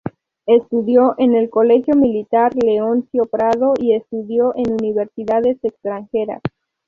Estudió en el Colegio Militar Leoncio Prado y estudió en universidades extranjeras.